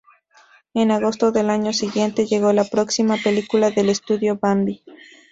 En agosto del año siguiente, llegó la próxima película del estudio, "Bambi".